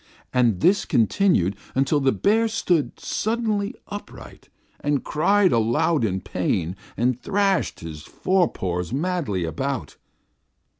And this continued until the bear stood suddenly upright and cried aloud in pain, and thrashed his fore paws madly about.